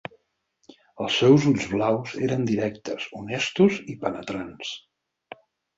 Els seus ulls blaus eren directes, honestos i penetrants.